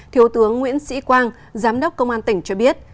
thiếu tướng nguyễn sĩ quang giám đốc công an tỉnh cho biết